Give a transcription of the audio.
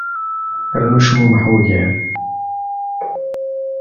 Rnu cmummeḥ ugar.